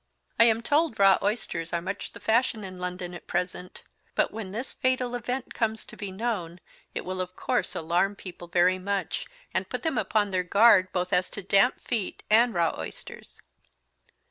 I am told Raw Oysters are much the fashion in London at present; but when this Fatal Event comes to be Known, it will of course Alarm people very much, and put them upon their guard both as to Damp Feet and Raw oysters.